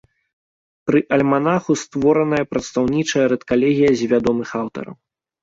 Пры альманаху створаная прадстаўнічая рэдкалегія з вядомых аўтараў.